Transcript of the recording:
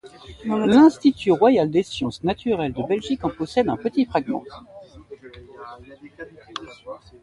L'Institut royal des sciences naturelles de Belgique en possède un petit fragment.